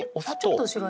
ちょっと後ろに。